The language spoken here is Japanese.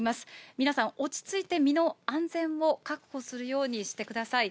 皆さん、落ち着いて身の安全を確保するようにしてください。